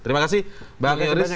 terima kasih bang yoris